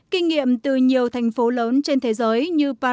kinh nghiệm từ nhiều thành phố lớn trên thế giới như paris